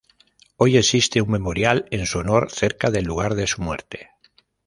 Hoy existe un memorial en su honor cerca del lugar de su muerte.